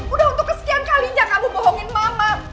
udah untuk kesekian kalinya kamu bohongin mama